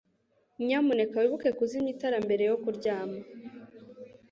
Nyamuneka wibuke kuzimya itara mbere yo kuryama